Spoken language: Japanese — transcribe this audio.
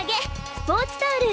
スポーツタオル。